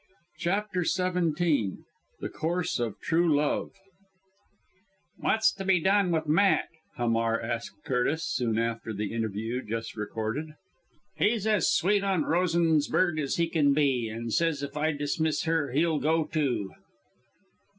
CHAPTER XVII THE COURSE OF TRUE LOVE "What's to be done with Matt?" Hamar asked Curtis, soon after the interview just recorded. "He's as sweet on Rosensberg as he can be, and says if I dismiss her he'll go too!"